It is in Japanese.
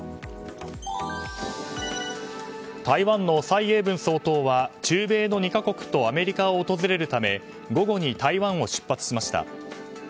台湾の蔡英文総統は中米の２か国とアメリカを訪れるため午後に台湾を出発しました。